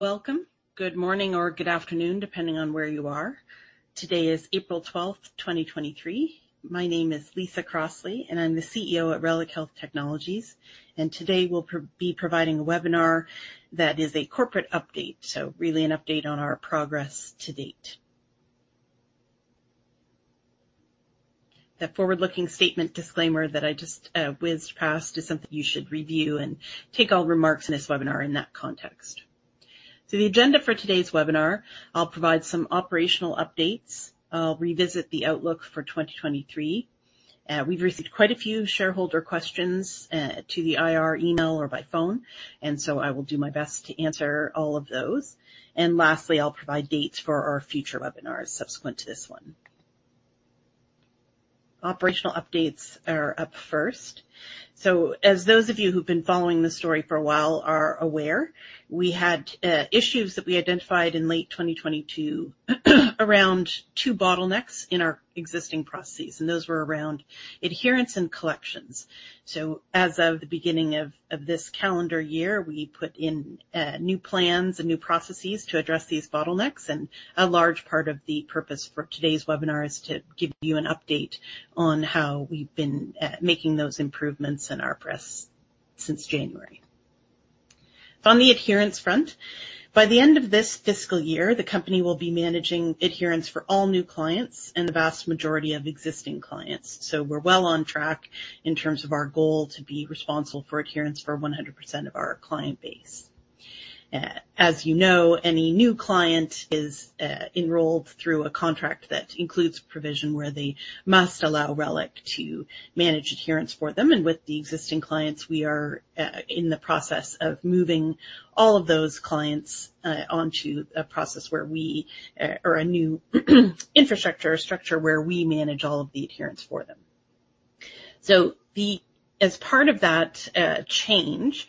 Welcome. Good morning or good afternoon, depending on where you are. Today is April 12, 2023. My name is Lisa Crossley, and I'm the CEO at Reliq Health Technologies. Today, we'll be providing a webinar that is a corporate update. Really an update on our progress to date. That forward-looking statement disclaimer that I just whizzed past is something you should review and take all remarks in this webinar in that context. The agenda for today's webinar, I'll provide some operational updates. I'll revisit the outlook for 2023. We've received quite a few shareholder questions to the IR email or by phone, I will do my best to answer all of those. Lastly, I'll provide dates for our future webinars subsequent to this one. Operational updates are up first. As those of you who've been following this story for a while are aware, we had issues that we identified in late 2022 around two bottlenecks in our existing processes, and those were around adherence and collections. As of the beginning of this calendar year, we put in new plans and new processes to address these bottlenecks, and a large part of the purpose for today's webinar is to give you an update on how we've been making those improvements in our process since January. On the adherence front, by the end of this fiscal year, the company will be managing adherence for all new clients and the vast majority of existing clients. We're well on track in terms of our goal to be responsible for adherence for 100% of our client base. As you know, any new client is enrolled through a contract that includes provision where they must allow Reliq to manage adherence for them. With the existing clients, we are in the process of moving all of those clients onto a process where we or a new infrastructure, a structure where we manage all of the adherence for them. As part of that change,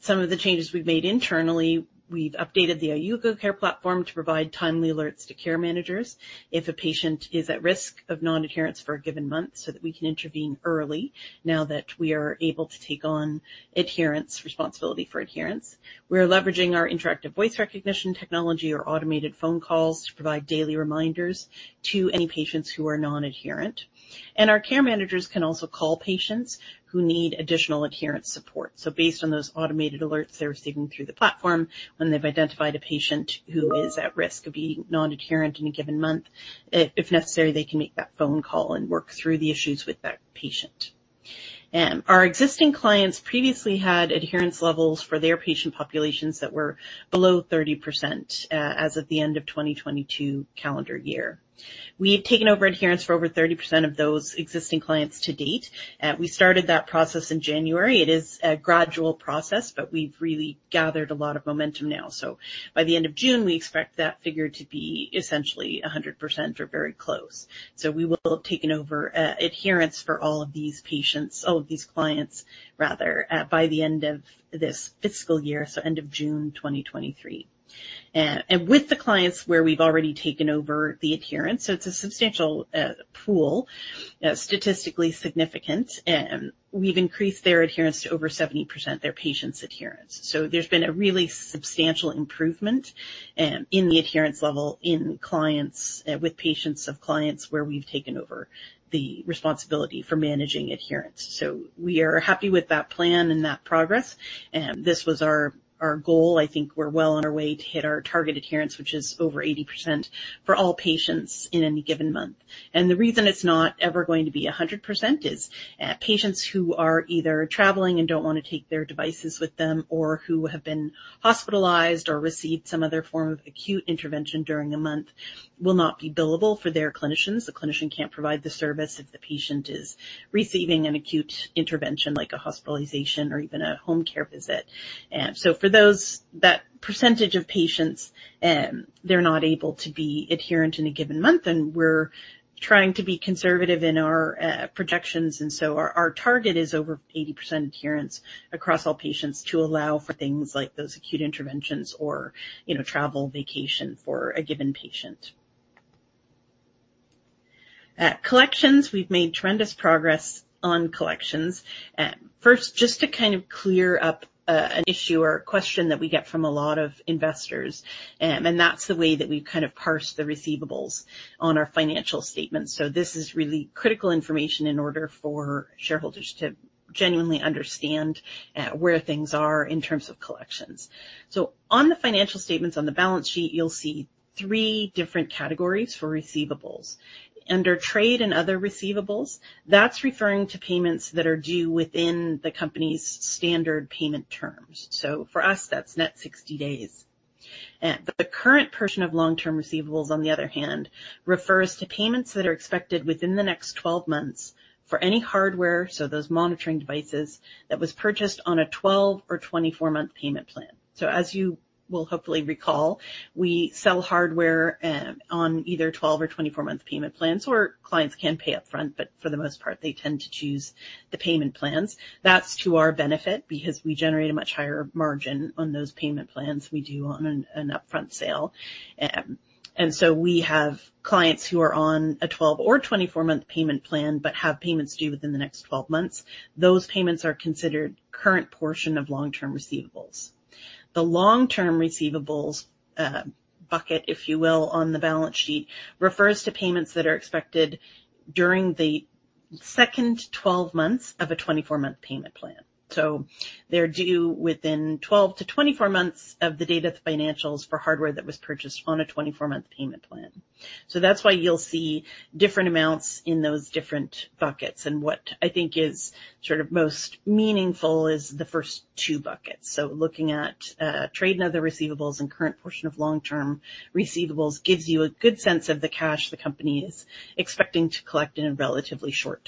some of the changes we've made internally, we've updated the iUGO Care platform to provide timely alerts to care managers if a patient is at risk of non-adherence for a given month, so that we can intervene early now that we are able to take on adherence, responsibility for adherence. We are leveraging our interactive voice recognition technology or automated phone calls to provide daily reminders to any patients who are non-adherent. Our care managers can also call patients who need additional adherence support. Based on those automated alerts they're receiving through the platform, when they've identified a patient who is at risk of being non-adherent in a given month, if necessary, they can make that phone call and work through the issues with that patient. Our existing clients previously had adherence levels for their patient populations that were below 30%, as of the end of 2022 calendar year. We have taken over adherence for over 30% of those existing clients to date. We started that process in January. It is a gradual process, but we've really gathered a lot of momentum now. By the end of June, we expect that figure to be essentially 100% or very close. We will have taken over adherence for all of these patients, all of these clients, rather, by the end of this fiscal year, so end of June 2023. With the clients where we've already taken over the adherence, it's a substantial pool, statistically significant, we've increased their adherence to over 70% their patient's adherence. There's been a really substantial improvement in the adherence level in clients with patients of clients where we've taken over the responsibility for managing adherence. We are happy with that plan and that progress. This was our goal. I think we're well on our way to hit our target adherence, which is over 80% for all patients in any given month. The reason it's not ever going to be 100% is patients who are either traveling and don't wanna take their devices with them or who have been hospitalized or received some other form of acute intervention during a month will not be billable for their clinicians. The clinician can't provide the service if the patient is receiving an acute intervention like a hospitalization or even a home care visit. For those, that percentage of patients, they're not able to be adherent in a given month. We're trying to be conservative in our projections. Our target is over 80% adherence across all patients to allow for things like those acute interventions or, you know, travel, vacation for a given patient. Collections, we've made tremendous progress on collections. First, just to kind of clear up an issue or a question that we get from a lot of investors, that's the way that we kind of parse the receivables on our financial statements. This is really critical information in order for shareholders to genuinely understand where things are in terms of collections. On the financial statements on the balance sheet, you'll see three different categories for receivables. Under trade and other receivables, that's referring to payments that are due within the company's standard payment terms. For us, that's net 60 days. The current portion of long-term receivables, on the other hand, refers to payments that are expected within the next 12 months for any hardware, so those monitoring devices that was purchased on a 12- or 24-month payment plan. As you will hopefully recall, we sell hardware, on either 12- or 24-month payment plans, or clients can pay up front, but for the most part, they tend to choose the payment plans. That's to our benefit because we generate a much higher margin on those payment plans we do on an upfront sale. We have clients who are on a 12 or 24-month payment plan but have payments due within the next 12 months. Those payments are considered current portion of long-term receivables. The long-term receivables bucket, if you will, on the balance sheet refers to payments that are expected during the second 12 months of a 24-month payment plan. They're due within 12 to 24 months of the date of the financials for hardware that was purchased on a 24-month payment plan. That's why you'll see different amounts in those different buckets. What I think is sort of most meaningful is the first two buckets. Looking at trade and other receivables and current portion of long-term receivables gives you a good sense of the cash the company is expecting to collect in a relatively short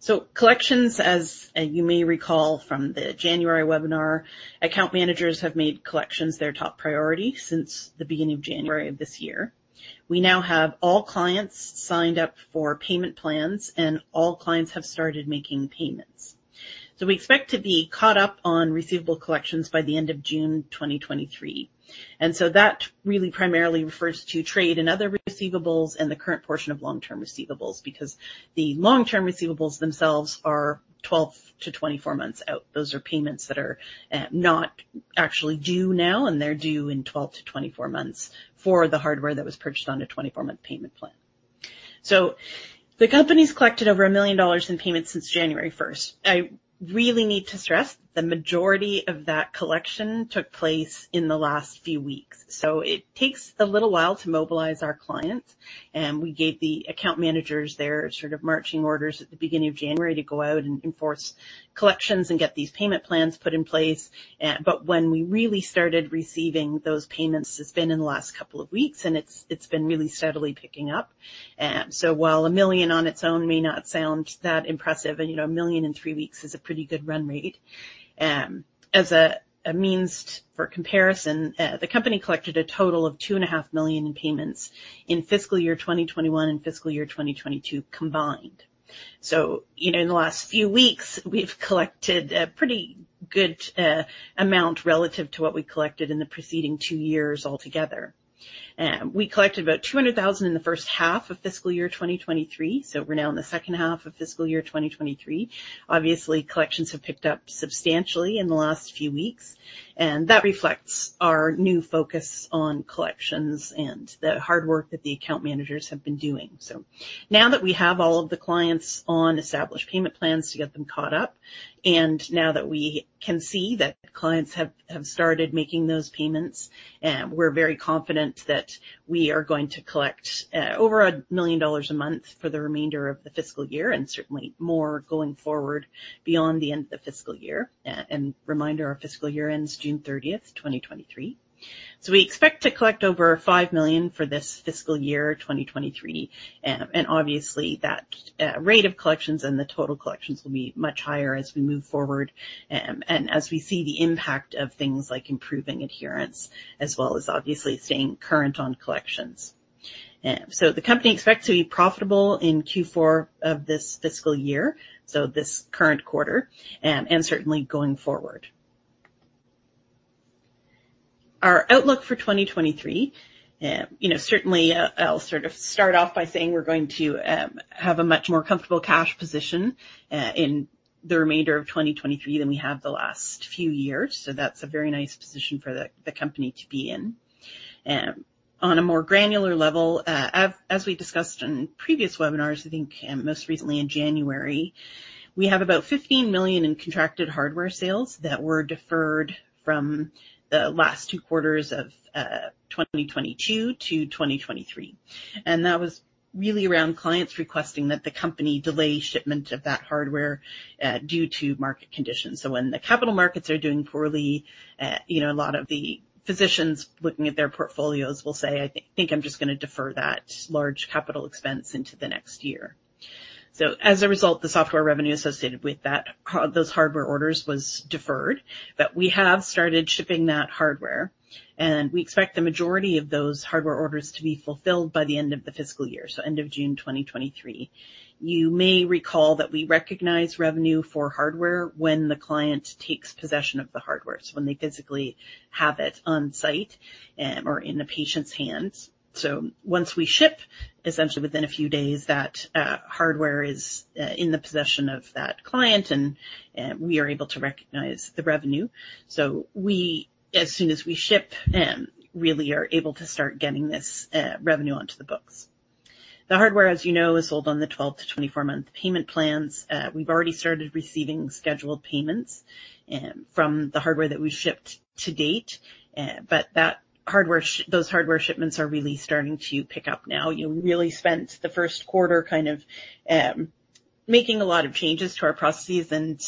timeframe. Collections, as you may recall from the January webinar, account managers have made collections their top priority since the beginning of January of this year. We now have all clients signed up for payment plans, and all clients have started making payments. We expect to be caught up on receivable collections by the end of June 2023. That really primarily refers to trade and other receivables and the current portion of long-term receivables, because the long-term receivables themselves are 12 to 24 months out. Those are payments that are not actually due now, and they're due in 12 to 24 months for the hardware that was purchased on a 24-month payment plan. The company's collected over $1 million in payments since January 1st. I really need to stress the majority of that collection took place in the last few weeks. It takes a little while to mobilize our clients, and we gave the account managers their sort of marching orders at the beginning of January to go out and enforce collections and get these payment plans put in place. When we really started receiving those payments has been in the last couple of weeks, and it's been really steadily picking up. While $1 million on its own may not sound that impressive, and you know, $1 million in three weeks is a pretty good run rate. As a means for comparison, the company collected a total of $2.5 million in payments in fiscal year 2021 and fiscal year 2022 combined. You know, in the last few weeks, we've collected a pretty good amount relative to what we collected in the preceding two years altogether. We collected about $200,000 in the first half of fiscal year 2023, we're now in the second half of fiscal year 2023. Obviously, collections have picked up substantially in the last few weeks, and that reflects our new focus on collections and the hard work that the account managers have been doing. Now that we have all of the clients on established payment plans to get them caught up, now that we can see that clients have started making those payments, we're very confident that we are going to collect over $1 million a month for the remainder of the fiscal year, and certainly more going forward beyond the end of the fiscal year. Reminder, our fiscal year ends June 30th, 2023. We expect to collect over $5 million for this fiscal year, 2023. Obviously, that rate of collections and the total collections will be much higher as we move forward, and as we see the impact of things like improving adherence, as well as obviously staying current on collections. The company expects to be profitable in Q4 of this fiscal year, so this current quarter, and certainly going forward. Our outlook for 2023, you know, certainly I'll sort of start off by saying we're going to have a much more comfortable cash position in the remainder of 2023 than we have the last few years. That's a very nice position for the company to be in. On a more granular level, as we discussed in previous webinars, I think, most recently in January, we have about $15 million in contracted hardware sales that were deferred from the last two quarters of 2022 to 2023. That was really around clients requesting that the company delay shipment of that hardware due to market conditions. When the capital markets are doing poorly, you know, a lot of the physicians looking at their portfolios will say, "I think I'm just gonna defer that large capital expense into the next year." As a result, the software revenue associated with that, those hardware orders was deferred, but we have started shipping that hardware, and we expect the majority of those hardware orders to be fulfilled by the end of the fiscal year. End of June 2023. You may recall that we recognize revenue for hardware when the client takes possession of the hardware. When they physically have it on-site, or in the patient's hands. Once we ship, essentially within a few days, that hardware is in the possession of that client and we are able to recognize the revenue. As soon as we ship, really are able to start getting this revenue onto the books. The hardware, as you know, is sold on the 12-24 month payment plans. We've already started receiving scheduled payments from the hardware that we've shipped to date, but those hardware shipments are really starting to pick up now. You know, we really spent the first quarter kind of making a lot of changes to our processes and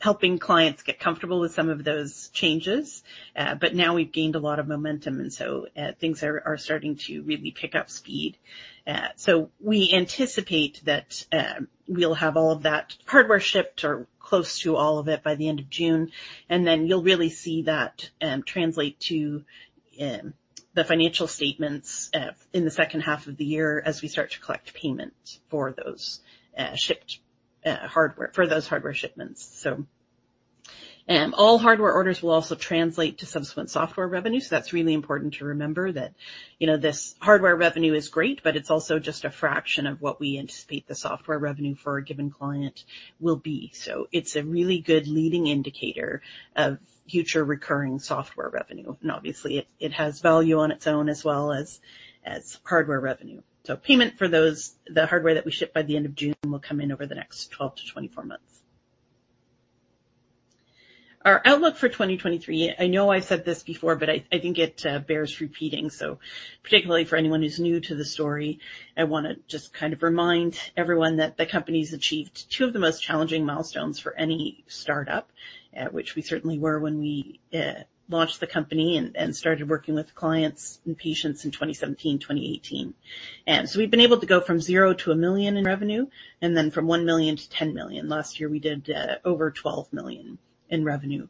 helping clients get comfortable with some of those changes. Now we've gained a lot of momentum, and so things are starting to really pick up speed. We anticipate that we'll have all of that hardware shipped or close to all of it by the end of June. You'll really see that translate to the financial statements in the second half of the year as we start to collect payments for those hardware shipments. All hardware orders will also translate to subsequent software revenue. That's really important to remember that, you know, this hardware revenue is great, but it's also just a fraction of what we anticipate the software revenue for a given client will be. It's a really good leading indicator of future recurring software revenue. Obviously it has value on its own as well as hardware revenue. Payment for those, the hardware that we ship by the end of June will come in over the next 12-24 months. Our outlook for 2023, I know I said this before, but I think it bears repeating. Particularly for anyone who's new to the story, I wanna just kind of remind everyone that the company's achieved two of the most challenging milestones for any startup, which we certainly were when we launched the company and started working with clients and patients in 2017, 2018. we've been able to go from zero to $1 million in revenue, and then from $1 million to $10 million. Last year, we did over $12 million in revenue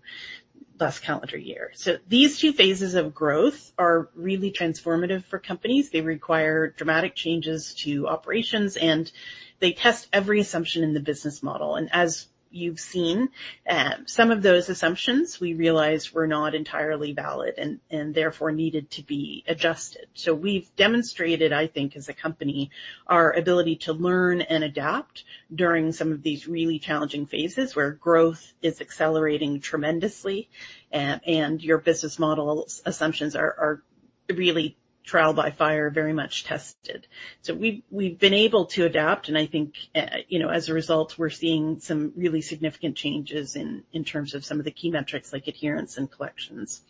last calendar year. These two phases of growth are really transformative for companies. They require dramatic changes to operations, and they test every assumption in the business model. As you've seen, some of those assumptions we realized were not entirely valid and, therefore needed to be adjusted. We've demonstrated, I think, as a company, our ability to learn and adapt during some of these really challenging phases where growth is accelerating tremendously and, your business model assumptions are really trial by fire, very much tested. We've been able to adapt, and I think, you know, as a result, we're seeing some really significant changes in terms of some of the key metrics like adherence and collections.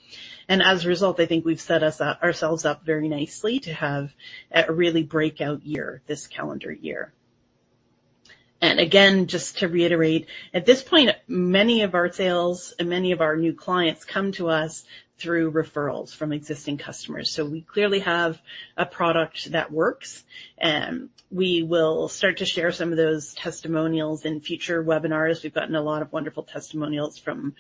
As a result, I think we've set ourselves up very nicely to have a really breakout year this calendar year. Again, just to reiterate, at this point, many of our sales and many of our new clients come to us through referrals from existing customers. We clearly have a product that works. We will start to share some of those testimonials in future webinars. We've gotten a lot of wonderful testimonials from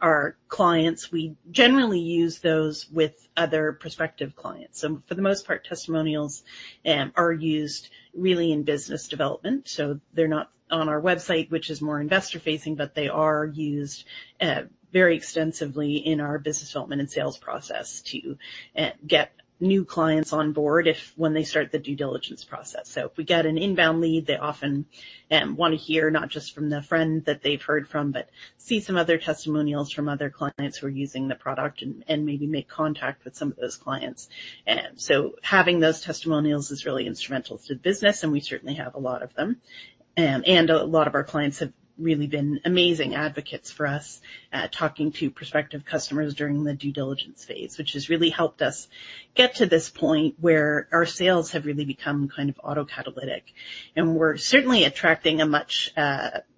our clients. We generally use those with other prospective clients. For the most part, testimonials are used really in business development. They're not on our website, which is more investor-facing, but they are used very extensively in our business development and sales process to get new clients on board if when they start the due diligence process. If we get an inbound lead, they often wanna hear not just from the friend that they've heard from, but see some other testimonials from other clients who are using the product and maybe make contact with some of those clients. Having those testimonials is really instrumental to the business, and we certainly have a lot of them. A lot of our clients have really been amazing advocates for us, talking to prospective customers during the due diligence phase, which has really helped us get to this point where our sales have really become kind of autocatalytic. We're certainly attracting a much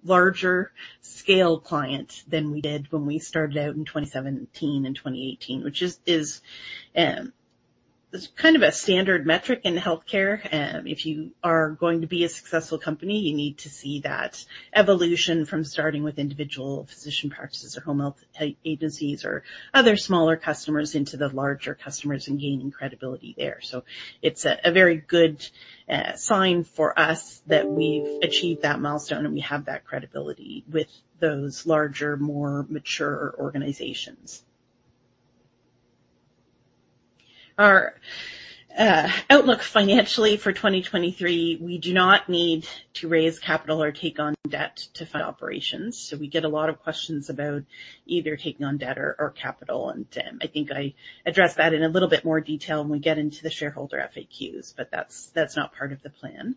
larger scale client than we did when we started out in 2017 and 2018, which is kind of a standard metric in healthcare. If you are going to be a successful company, you need to see that evolution from starting with individual physician practices or home health agency or other smaller customers into the larger customers and gaining credibility there. It's a very good sign for us that we've achieved that milestone and we have that credibility with those larger, more mature organizations. Our outlook financially for 2023, we do not need to raise capital or take on debt to fund operations. We get a lot of questions about either taking on debt or capital, and I think I address that in a little bit more detail when we get into the shareholder FAQs, but that's not part of the plan.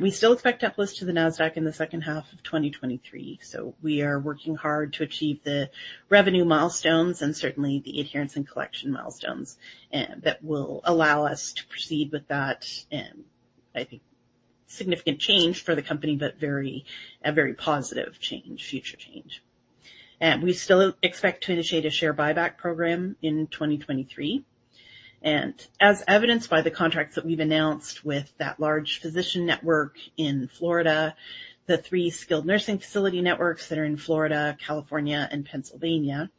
We still expect to list to the Nasdaq in the second half of 2023. We are working hard to achieve the revenue milestones and certainly the adherence and collection milestones that will allow us to proceed with that, I think, significant change for the company, but a very positive change, future change. We still expect to initiate a share buyback program in 2023. As evidenced by the contracts that we've announced with that large physician network in Florida, the three skilled nursing facility networks that are in Florida, California, and Pennsylvania,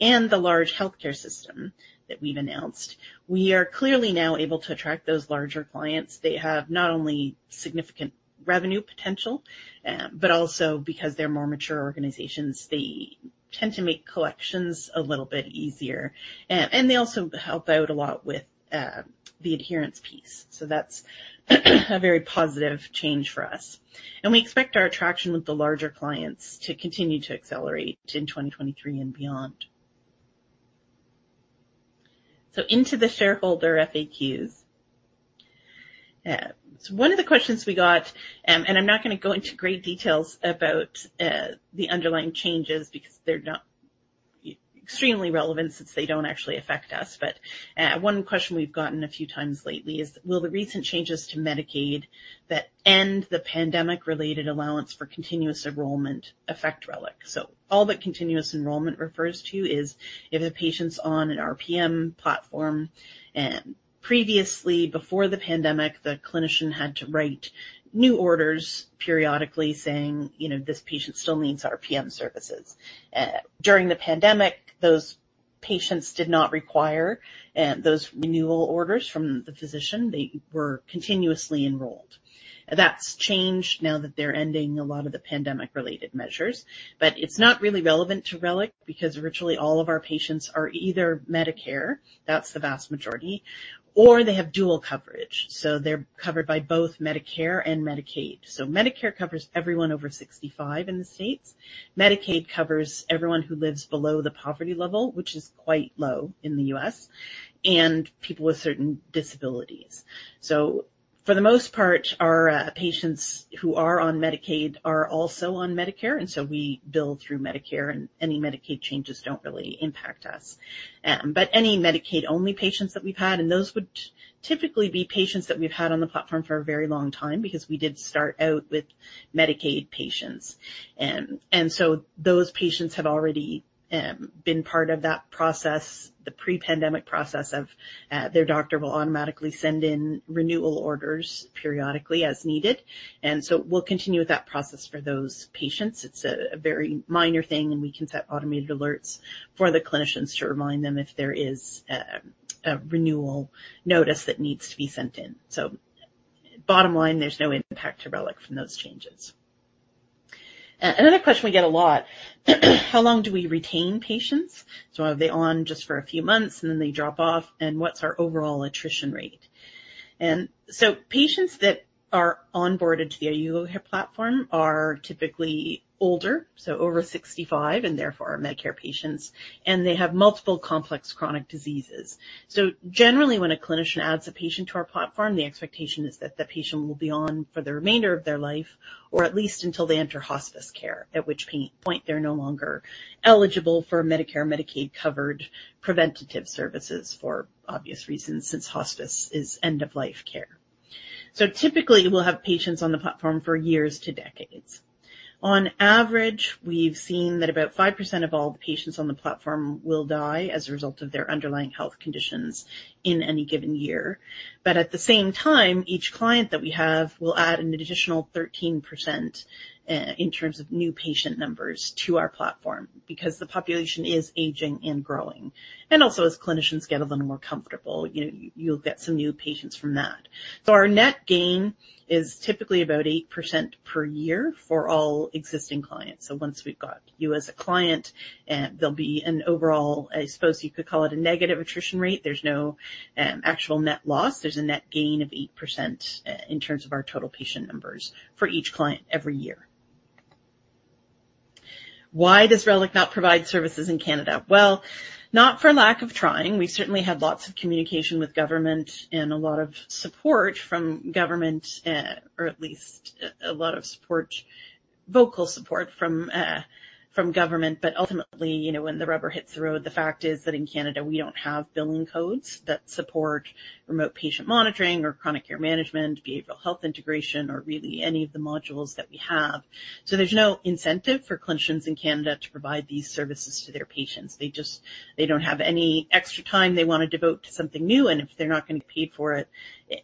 and the large healthcare system that we've announced. We are clearly now able to attract those larger clients. They have not only significant revenue potential, but also because they're more mature organizations, they tend to make collections a little bit easier. They also help out a lot with the adherence piece. That's a very positive change for us. We expect our attraction with the larger clients to continue to accelerate in 2023 and beyond. Into the shareholder FAQs. One of the questions we got, I'm not gonna go into great details about the underlying changes because they're not extremely relevant since they don't actually affect us. One question we've gotten a few times lately is, will the recent changes to Medicaid that end the pandemic-related allowance for continuous enrollment affect Reliq? All that continuous enrollment refers to is if a patient's on an RPM platform, previously before the pandemic, the clinician had to write new orders periodically saying, you know, "This patient still needs RPM services." During the pandemic, those patients did not require those renewal orders from the physician. They were continuously enrolled. That's changed now that they're ending a lot of the pandemic-related measures. It's not really relevant to Reliq because virtually all of our patients are either Medicare, that's the vast majority, or they have dual coverage, so they're covered by both Medicare and Medicaid. Medicare covers everyone over 65 in the States. Medicaid covers everyone who lives below the poverty level, which is quite low in the U.S., and people with certain disabilities. For the most part, our patients who are on Medicaid are also on Medicare, and so we bill through Medicare, and any Medicaid changes don't really impact us. Any Medicaid-only patients that we've had, and those would typically be patients that we've had on the platform for a very long time because we did start out with Medicaid patients. Those patients have already been part of that process, the pre-pandemic process of their doctor will automatically send in renewal orders periodically as needed. We'll continue with that process for those patients. It's a very minor thing, and we can set automated alerts for the clinicians to remind them if there is a renewal notice that needs to be sent in. Bottom line, there's no impact to Reliq from those changes. Another question we get a lot, how long do we retain patients? Are they on just for a few months, and then they drop off? What's our overall attrition rate? Patients that are onboarded to the iUGO platform are typically older, so over 65, and therefore are Medicare patients, and they have multiple complex chronic diseases. Generally, when a clinician adds a patient to our platform, the expectation is that the patient will be on for the remainder of their life or at least until they enter hospice care, at which point they're no longer eligible for Medicare/Medicaid-covered preventive services for obvious reasons, since hospice is end-of-life care. Typically, we'll have patients on the platform for years to decades. On average, we've seen that about 5% of all the patients on the platform will die as a result of their underlying health conditions in any given year. At the same time, each client that we have will add an additional 13% in terms of new patient numbers to our platform because the population is aging and growing. Also as clinicians get a little more comfortable, you'll get some new patients from that. Our net gain is typically about 8% per year for all existing clients. Once we've got you as a client, there'll be an overall, I suppose you could call it a negative attrition rate. There's no actual net loss. There's a net gain of 8% in terms of our total patient numbers for each client every year. Why does Reliq not provide services in Canada? Not for lack of trying. We certainly had lots of communication with government and a lot of support from government, or at least a lot of support, vocal support from government. Ultimately, you know, when the rubber hits the road, the fact is that in Canada, we don't have billing codes that support remote patient monitoring or chronic care management, behavioral health integration, or really any of the modules that we have. There's no incentive for clinicians in Canada to provide these services to their patients. They don't have any extra time they wanna devote to something new, and if they're not gonna be paid for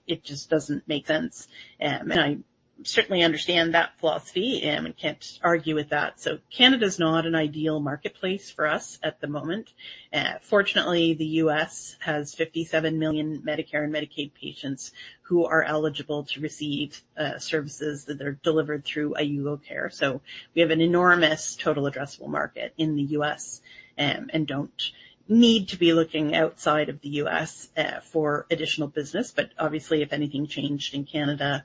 it just doesn't make sense. I certainly understand that philosophy and can't argue with that. Canada is not an ideal marketplace for us at the moment. Fortunately, the U.S. has 57 million Medicare and Medicaid patients who are eligible to receive services that are delivered through iUGO Care. We have an enormous total addressable market in the U.S., and don't need to be looking outside of the U.S. for additional business. Obviously, if anything changed in Canada,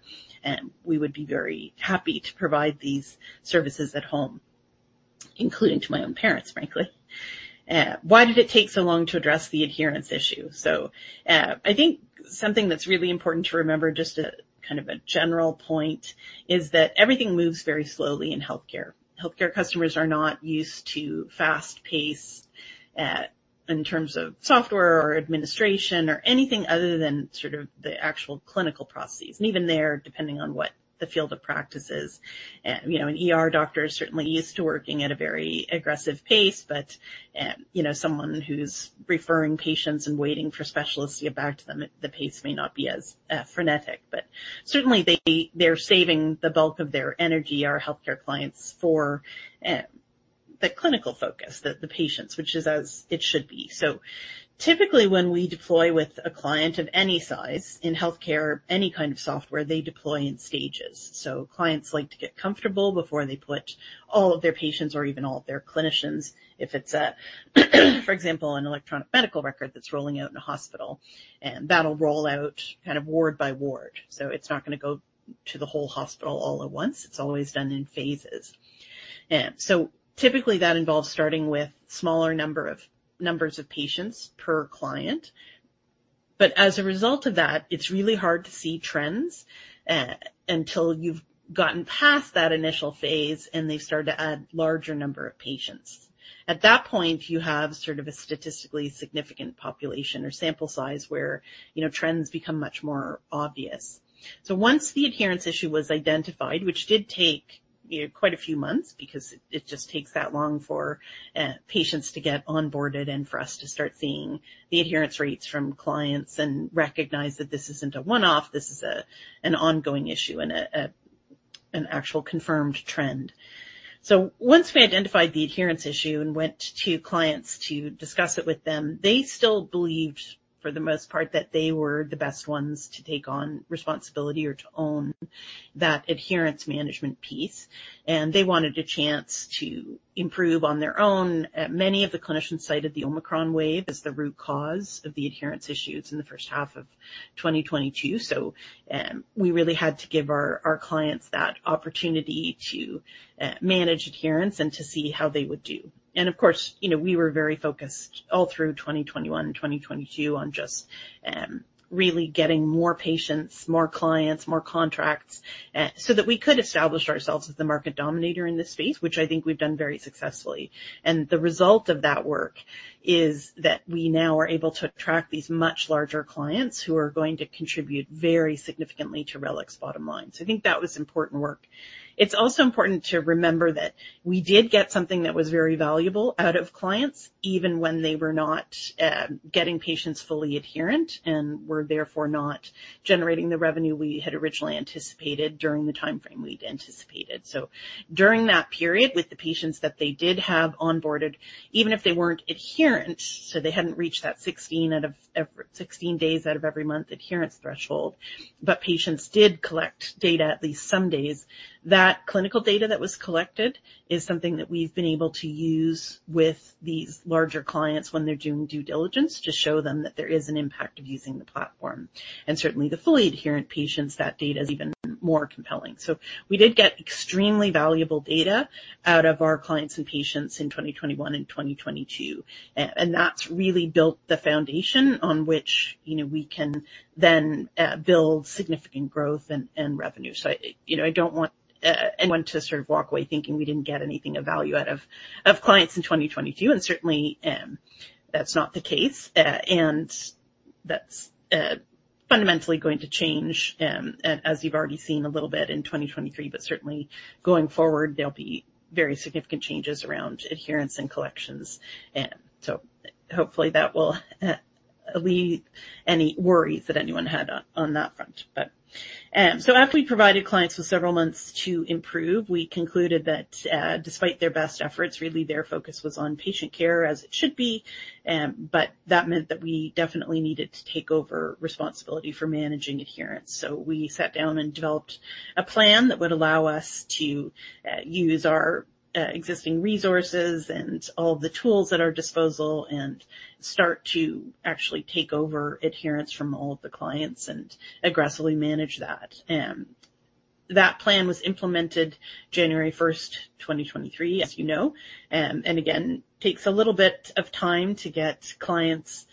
we would be very happy to provide these services at home, including to my own parents, frankly. Why did it take so long to address the adherence issue? I think something that's really important to remember, just a kind of a general point, is that everything moves very slowly in healthcare. Healthcare customers are not used to fast pace, in terms of software or administration or anything other than sort of the actual clinical processes, and even there, depending on what the field of practice is. You know, an ER doctor is certainly used to working at a very aggressive pace, but, you know, someone who's referring patients and waiting for specialists to get back to them, the pace may not be as frenetic. Certainly, they're saving the bulk of their energy, our healthcare clients, for the clinical focus, the patients, which is as it should be. Typically, when we deploy with a client of any size in healthcare, any kind of software, they deploy in stages. Clients like to get comfortable before they put all of their patients or even all of their clinicians. If it's a, for example, an electronic medical record that's rolling out in a hospital, that'll roll out kind of ward by ward. It's not going to go to the whole hospital all at once. It's always done in phases. Typically, that involves starting with smaller numbers of patients per client. As a result of that, it's really hard to see trends until you've gotten past that initial phase, and they start to add larger number of patients. At that point, you have sort of a statistically significant population or sample size where, you know, trends become much more obvious. Once the adherence issue was identified, which did take, you know, quite a few months because it just takes that long for patients to get onboarded and for us to start seeing the adherence rates from clients and recognize that this isn't a one-off, this is an ongoing issue and an actual confirmed trend. Once we identified the adherence issue and went to clients to discuss it with them, they still believed, for the most part, that they were the best ones to take on responsibility or to own that adherence management piece, and they wanted a chance to improve on their own. Many of the clinicians cited the Omicron wave as the root cause of the adherence issues in the first half of 2022. We really had to give our clients that opportunity to manage adherence and to see how they would do. Of course, you know, we were very focused all through 2021 and 2022 on just really getting more patients, more clients, more contracts so that we could establish ourselves as the market dominator in this space, which I think we've done very successfully. The result of that work is that we now are able to attract these much larger clients who are going to contribute very significantly to Reliq's bottom line. I think that was important work. It's also important to remember that we did get something that was very valuable out of clients, even when they were not getting patients fully adherent and were therefore not generating the revenue we had originally anticipated during the timeframe we'd anticipated. During that period, with the patients that they did have onboarded, even if they weren't adherent, so they hadn't reached that 16 days out of every month adherence threshold, but patients did collect data at least some days. That clinical data that was collected is something that we've been able to use with these larger clients when they're doing due diligence to show them that there is an impact of using the platform. And certainly the fully adherent patients, that data is even more compelling. We did get extremely valuable data out of our clients and patients in 2021 and 2022. And that's really built the foundation on which, you know, we can then build significant growth and revenue. You know, I don't want anyone to sort of walk away thinking we didn't get anything of value out of clients in 2022, and certainly that's not the case. That's fundamentally going to change, as you've already seen a little bit in 2023, but certainly going forward, there'll be very significant changes around adherence and collections. Hopefully that will allay any worries that anyone had on that front. After we provided clients with several months to improve, we concluded that despite their best efforts, really their focus was on patient care as it should be. That meant that we definitely needed to take over responsibility for managing adherence. We sat down and developed a plan that would allow us to use our existing resources and all the tools at our disposal and start to actually take over adherence from all of the clients and aggressively manage that. That plan was implemented January 1st, 2023, as you know. Again, takes a little bit of time to get clients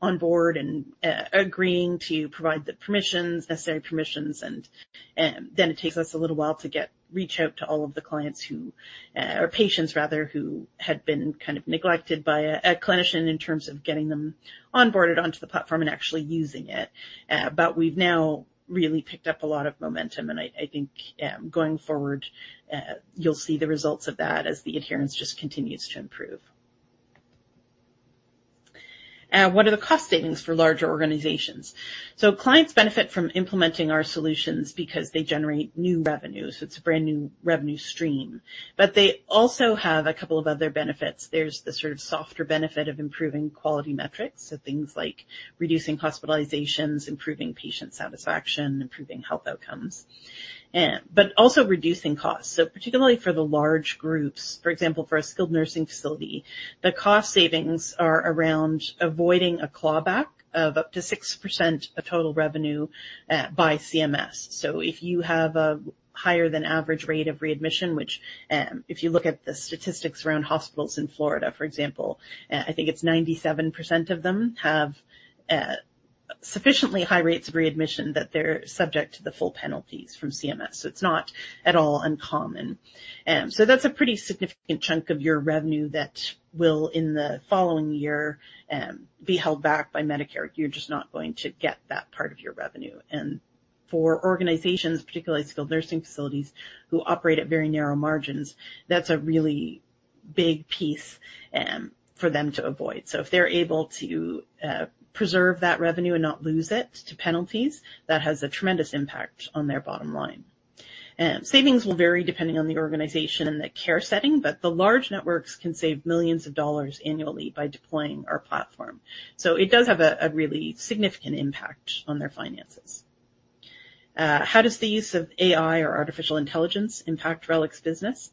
on board and agreeing to provide the permissions, necessary permissions and then it takes us a little while to reach out to all of the clients who or patients rather, who had been kind of neglected by a clinician in terms of getting them onboarded onto the platform and actually using it. We've now really picked up a lot of momentum and I think going forward, you'll see the results of that as the adherence just continues to improve. What are the cost savings for larger organizations? Clients benefit from implementing our solutions because they generate new revenue. It's a brand-new revenue stream. They also have a couple of other benefits. There's the sort of softer benefit of improving quality metrics. Things like reducing hospitalizations, improving patient satisfaction, improving health outcomes, but also reducing costs. Particularly for the large groups, for example, for a skilled nursing facility, the cost savings are around avoiding a clawback of up to 6% of total revenue by CMS. If you have a higher than average rate of readmission, which, if you look at the statistics around hospitals in Florida, for example, I think it's 97% of them have sufficiently high rates of readmission that they're subject to the full penalties from CMS. That's a pretty significant chunk of your revenue that will, in the following year, be held back by Medicare. You're just not going to get that part of your revenue. For organizations, particularly skilled nursing facilities, who operate at very narrow margins, that's a really big piece for them to avoid. If they're able to preserve that revenue and not lose it to penalties, that has a tremendous impact on their bottom line. Savings will vary depending on the organization and the care setting, but the large networks can save millions of dollars annually by deploying our platform. It does have a really significant impact on their finances. How does the use of AI or artificial intelligence impact Reliq's business?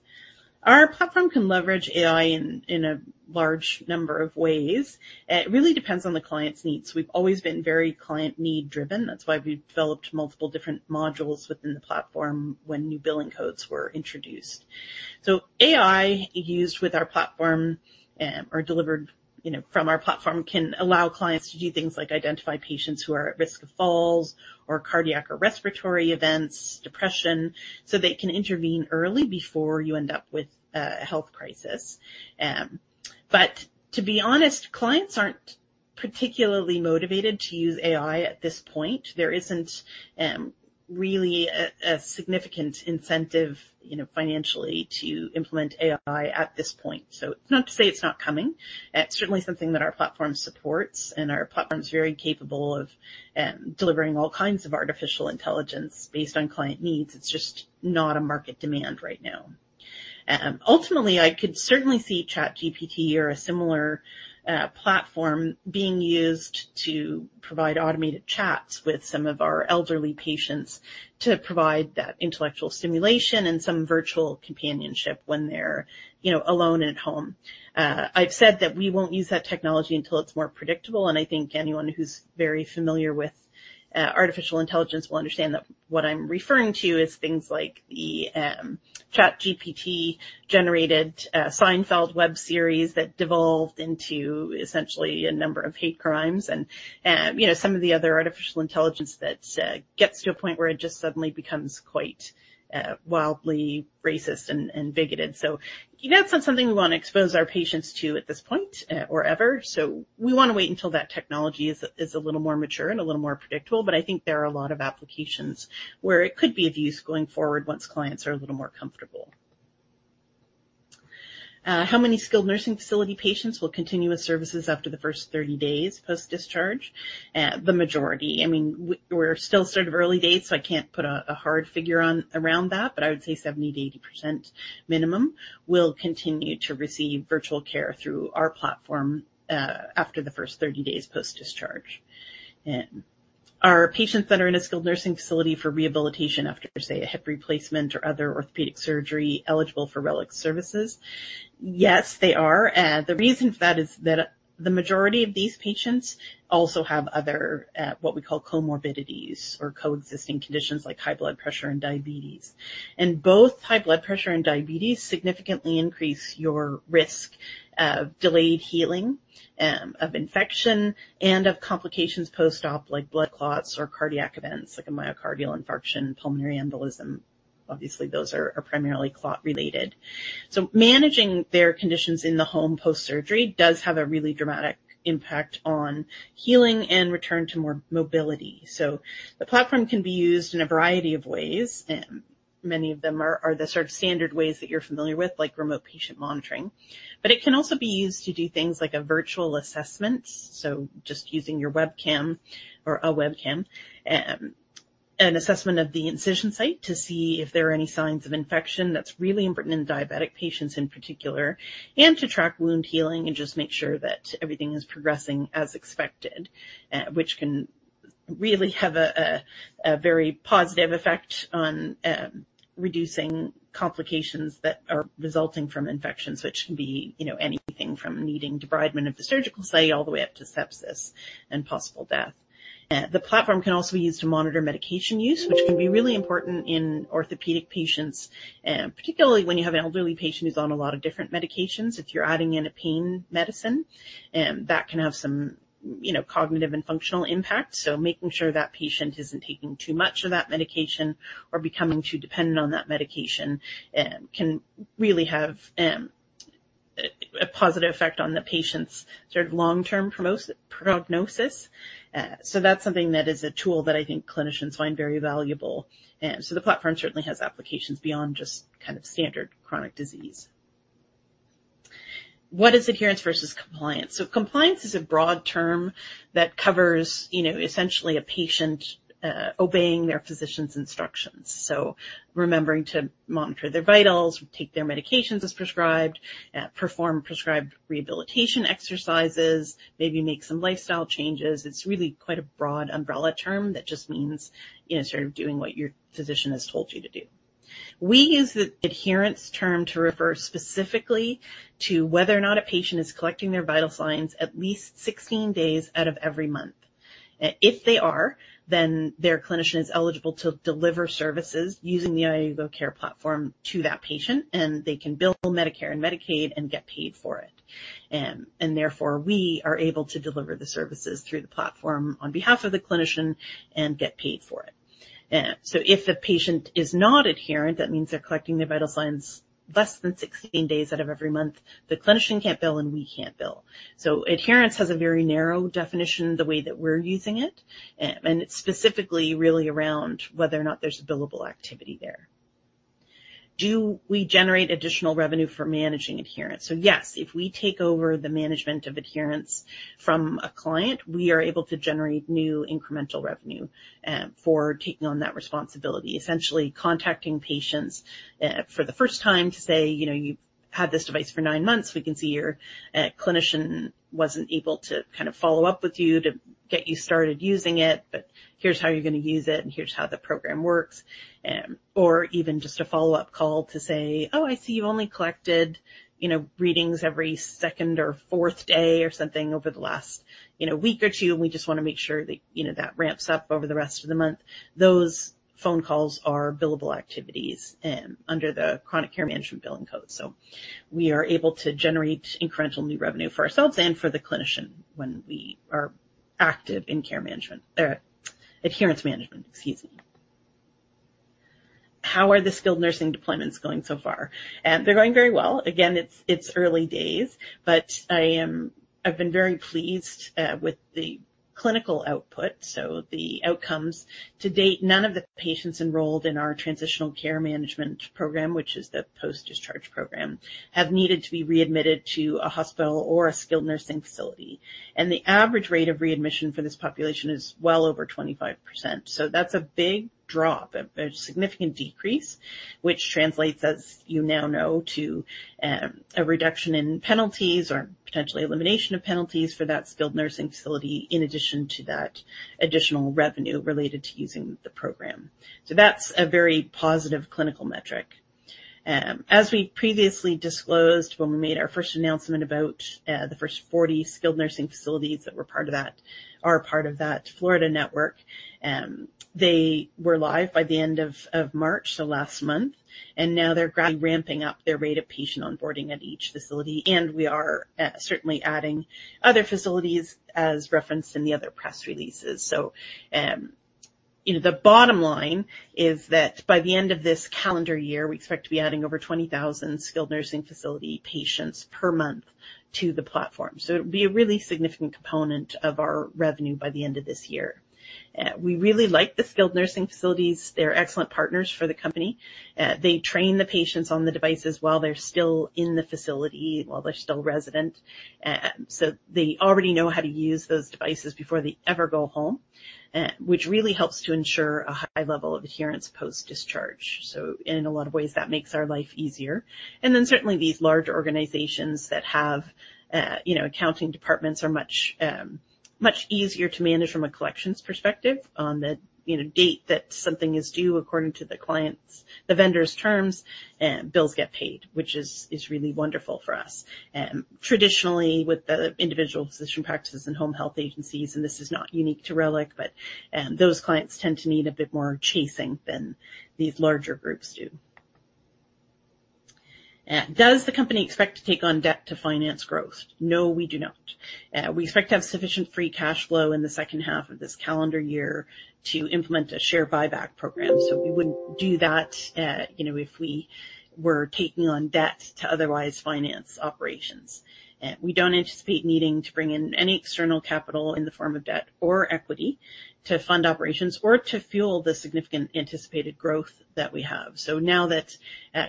Our platform can leverage AI in a large number of ways. It really depends on the client's needs. We've always been very client need driven. That's why we've developed multiple different modules within the platform when new billing codes were introduced. AI used with our platform, or delivered, you know, from our platform, can allow clients to do things like identify patients who are at risk of falls or cardiac or respiratory events, depression, so they can intervene early before you end up with a health crisis. To be honest, clients aren't particularly motivated to use AI at this point. There isn't really a significant incentive, you know, financially to implement AI at this point. Not to say it's not coming. It's certainly something that our platform supports, and our platform is very capable of delivering all kinds of artificial intelligence based on client needs. It's just not a market demand right now. Ultimately, I could certainly see ChatGPT or a similar platform being used to provide automated chats with some of our elderly patients to provide that intellectual stimulation and some virtual companionship when they're, you know, alone at home. I've said that we won't use that technology until it's more predictable, and I think anyone who's very familiar with artificial intelligence will understand that what I'm referring to is things like the ChatGPT-generated Seinfeld web series that devolved into essentially a number of hate crimes and, you know, some of the other artificial intelligence that gets to a point where it just suddenly becomes quite wildly racist and bigoted. That's not something we wanna expose our patients to at this point or ever. We wanna wait until that technology is a little more mature and a little more predictable. I think there are a lot of applications where it could be of use going forward once clients are a little more comfortable. How many skilled nursing facility patients will continue with services after the first 30 days post-discharge? The majority. I mean, we're still sort of early days, so I can't put a hard figure around that, but I would say 70%-80% minimum will continue to receive virtual care through our platform after the first 30 days post-discharge. Are patients that are in a skilled nursing facility for rehabilitation after, say, a hip replacement or other orthopedic surgery eligible for Reliq's services? Yes, they are. The reason for that is that the majority of these patients also have other, what we call comorbidities or coexisting conditions like high blood pressure and diabetes. Both high blood pressure and diabetes significantly increase your risk of delayed healing, of infection, and of complications post-op, like blood clots or cardiac events like a myocardial infarction, pulmonary embolism. Obviously, those are primarily clot-related. Managing their conditions in the home post-surgery does have a really dramatic impact on healing and return to more-mobility. The platform can be used in a variety of ways. Many of them are the sort of standard ways that you're familiar with, like remote patient monitoring. It can also be used to do things like a virtual assessment, so just using your webcam or a webcam, an assessment of the incision site to see if there are any signs of infection. That's really important in diabetic patients in particular. To track wound healing and just make sure that everything is progressing as expected, which can really have a very positive effect on reducing complications that are resulting from infections, which can be, you know, anything from needing debridement of the surgical site all the way up to sepsis and possible death. The platform can also be used to monitor medication use, which can be really important in orthopedic patients, particularly when you have an elderly patient who's on a lot of different medications. If you're adding in a pain medicine, that can have some, you know, cognitive and functional impact. Making sure that patient isn't taking too much of that medication or becoming too dependent on that medication, can really have a positive effect on the patient's sort of long-term prognosis. That's something that is a tool that I think clinicians find very valuable. The platform certainly has applications beyond just kind of standard chronic disease. What is adherence versus compliance? Compliance is a broad term that covers, you know, essentially a patient obeying their physician's instructions. Remembering to monitor their vitals, take their medications as prescribed, perform prescribed rehabilitation exercises, maybe make some lifestyle changes. It's really quite a broad umbrella term that just means, you know, sort of doing what your physician has told you to do. We use the adherence term to refer specifically to whether or not a patient is collecting their vital signs at least 16 days out of every month. If they are, then their clinician is eligible to deliver services using the iUGO Care platform to that patient, and they can bill Medicare and Medicaid and get paid for it. Therefore, we are able to deliver the services through the platform on behalf of the clinician and get paid for it. If the patient is not adherent, that means they're collecting their vital signs less than 16 days out of every month, the clinician can't bill, and we can't bill. Adherence has a very narrow definition the way that we're using it, and it's specifically really around whether or not there's billable activity there. Do we generate additional revenue for managing adherence? Yes, if we take over the management of adherence from a client, we are able to generate new incremental revenue for taking on that responsibility, essentially contacting patients for the first time to say, you know, "You've had this device for nine months. We can see your clinician wasn't able to kind of follow-up with you to get you started using it, but here's how you're gonna use it, and here's how the program works." Or even just a follow-up call to say, "Oh, I see you've only collected, you know, readings every second or fourth day or something over the last week or two, and we just wanna make sure that ramps up over the rest of the month." Those phone calls are billable activities under the chronic care management billing code. We are able to generate incremental new revenue for ourselves and for the clinician when we are active in care management or adherence management, excuse me. How are the skilled nursing deployments going so far? They're going very well. Again, it's early days, but I've been very pleased, with the clinical output, so the outcomes. To date, none of the patients enrolled in our transitional care management program, which is the post-discharge program, have needed to be readmitted to a hospital or a skilled nursing facility. The average rate of readmission for this population is well over 25%. That's a big drop, a significant decrease, which translates, as you now know, to a reduction in penalties or potentially elimination of penalties for that skilled nursing facility in addition to that additional revenue related to using the program. That's a very positive clinical metric. As we previously disclosed when we made our first announcement about the first 40 skilled nursing facilities that were part of that Florida network, they were live by the end of March, so last month. Now they're ramping up their rate of patient onboarding at each facility, and we are certainly adding other facilities as referenced in the other press releases. You know, the bottom line is that by the end of this calendar year, we expect to be adding over 20,000 skilled nursing facility patients per month to the platform. It'll be a really significant component of our revenue by the end of this year. We really like the skilled nursing facilities. They're excellent partners for the company. They train the patients on the devices while they're still in the facility, while they're still resident. So they already know how to use those devices before they ever go home, which really helps to ensure a high level of adherence post-discharge. In a lot of ways, that makes our life easier. Certainly these larger organizations that have, you know, accounting departments are much easier to manage from a collections perspective. On the, you know, date that something is due according to the vendor's terms, bills get paid, which is really wonderful for us. Traditionally with the individual physician practices and home health agencies, and this is not unique to Reliq, but those clients tend to need a bit more chasing than these larger groups do. Does the company expect to take on debt to finance growth? No, we do not. We expect to have sufficient free cash flow in the second half of this calendar year to implement a share buyback program. We wouldn't do that, you know, if we were taking on debt to otherwise finance operations. We don't anticipate needing to bring in any external capital in the form of debt or equity to fund operations or to fuel the significant anticipated growth that we have. Now that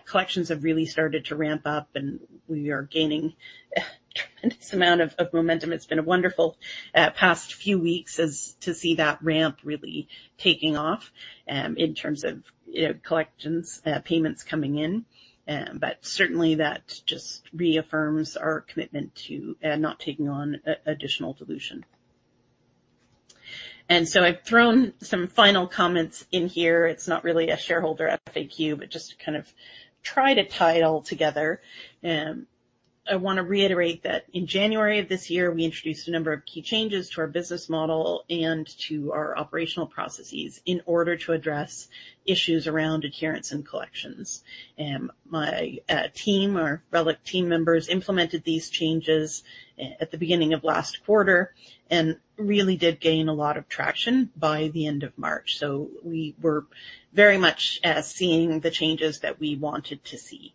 collections have really started to ramp up and we are gaining this amount of momentum, it's been a wonderful past few weeks as to see that ramp really taking off, in terms of, you know, collections, payments coming in. Certainly that just reaffirms our commitment to not taking on additional dilution. I've thrown some final comments in here. It's not really a shareholder FAQ, but just to kind of try to tie it all together. I wanna reiterate that in January of this year, we introduced a number of key changes to our business model and to our operational processes in order to address issues around adherence and collections. My team or Reliq team members implemented these changes at the beginning of last quarter and really did gain a lot of traction by the end of March. We were very much seeing the changes that we wanted to see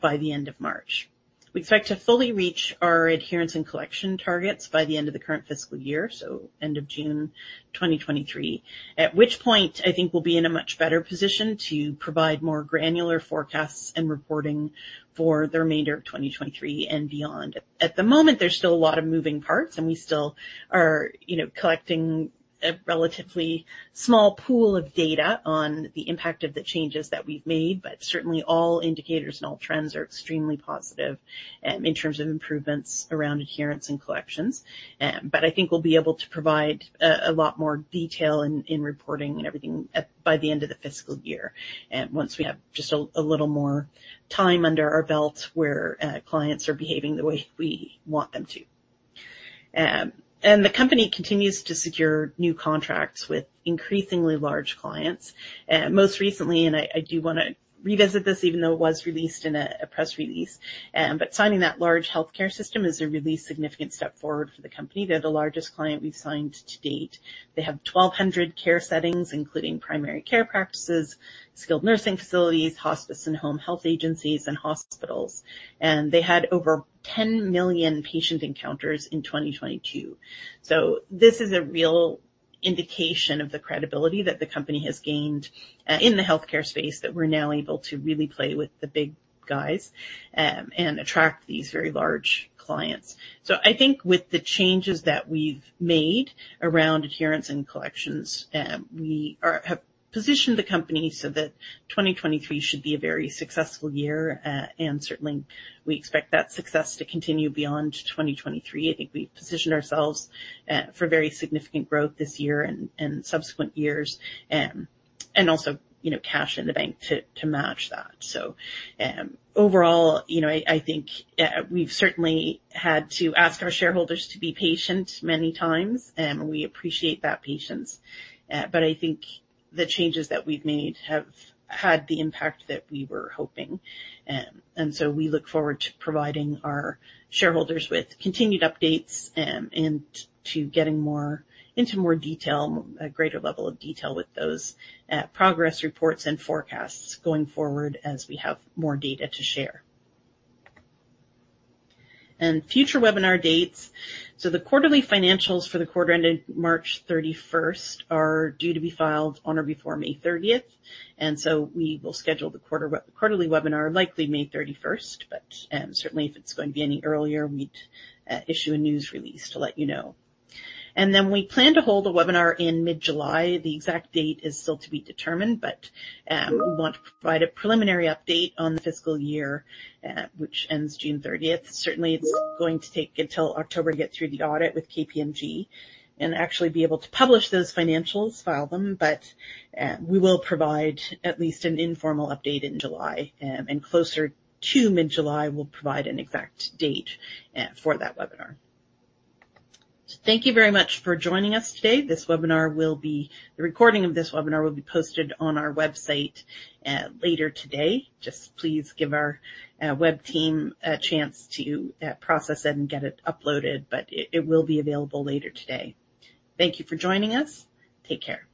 by the end of March. We expect to fully reach our adherence and collection targets by the end of the current fiscal year, so end of June 2023. At which point, I think we'll be in a much better position to provide more granular forecasts and reporting for the remainder of 2023 and beyond. At the moment, there's still a lot of moving parts, and we still are, you know, collecting a relatively small pool of data on the impact of the changes that we've made, but certainly all indicators and all trends are extremely positive, in terms of improvements around adherence and collections. But I think we'll be able to provide a lot more detail in reporting and everything by the end of the fiscal year, once we have just a little more time under our belts where clients are behaving the way we want them to. The company continues to secure new contracts with increasingly large clients. Most recently, and I do wanna revisit this even though it was released in a press release, but signing that large healthcare system is a really significant step forward for the company. They're the largest client we've signed to date. They have 1,200 care settings, including primary care practices, skilled nursing facilities, hospice and home health agencies, and hospitals. They had over 10 million patient encounters in 2022. This is a real indication of the credibility that the company has gained in the healthcare space that we're now able to really play with the big guys and attract these very large clients. I think with the changes that we've made around adherence and collections, we have positioned the company so that 2023 should be a very successful year. Certainly we expect that success to continue beyond 2023. I think we've positioned ourselves for very significant growth this year and subsequent years, and also, you know, cash in the bank to match that. Overall, you know, I think we've certainly had to ask our shareholders to be patient many times, we appreciate that patience. I think the changes that we've made have had the impact that we were hoping. We look forward to providing our shareholders with continued updates, and to getting into more detail, a greater level of detail with those progress reports and forecasts going forward as we have more data to share. Future webinar dates. The quarterly financials for the quarter ended March 31st are due to be filed on or before May 30th, and so we will schedule the quarterly webinar likely May 31st. Certainly if it's going to be any earlier, we'd issue a news release to let you know. We plan to hold a webinar in mid-July. The exact date is still to be determined, but we want to provide a preliminary update on the fiscal year which ends June 30th. Certainly, it's going to take until October to get through the audit with KPMG and actually be able to publish those financials, file them, but we will provide at least an informal update in July. Closer to mid-July, we'll provide an exact date for that webinar. Thank you very much for joining us today. The recording of this webinar will be posted on our website later today. Just please give our web team a chance to process it and get it uploaded, but it will be available later today. Thank you for joining us. Take care.